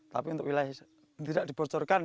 tapi untuk wilayah tidak dibocorkan